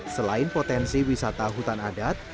selain potensi wisata hutan adat